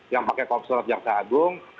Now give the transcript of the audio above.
yang pakai korpsort jaksa agung